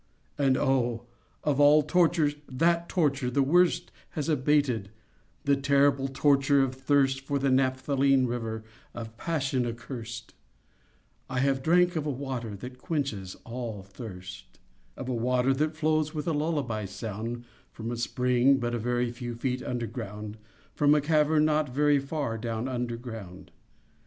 And oh! of all tortures That torture the worst Has abated—the terrible Torture of thirst For the naphthaline river Of Passion accurst:— I have drank of a water That quenches all thirst:— Of a water that flows, With a lullaby sound, From a spring but a very few Feet under ground— From a cavern not very far Down under ground.